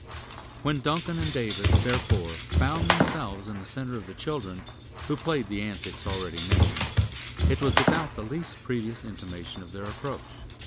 When Duncan and David, therefore, found themselves in the center of the children, who played the antics already mentioned, it was without the least previous intimation of their approach.